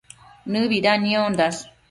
Nëbida niondash